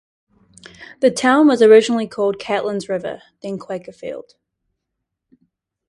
The town was originally called "Catlins River", then "Quakerfield".